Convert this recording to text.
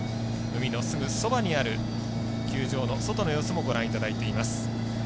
海のすぐそばにある球場の外の様子もご覧いただいています。